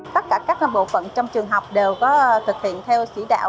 tất cả các bộ phận trong trường học đều có thực hiện theo sĩ đạo